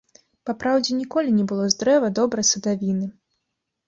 Папраўдзе ніколі не было з дрэва добрай садавіны.